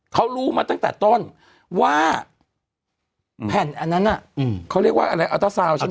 เขารู้มาตั้งแต่ต้นว่าแผ่นอันนั้นน่ะเขาเรียกว่าอะไรอัลเตอร์ซาวน์ใช่ไหม